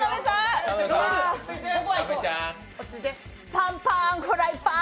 パンパン、フライパン！